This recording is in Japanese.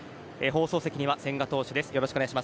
放送席には千賀投手です。